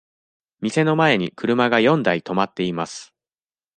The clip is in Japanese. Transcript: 店の前に車が四台止まっています。